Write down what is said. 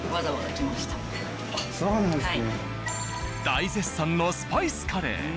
大絶賛のスパイスカレー。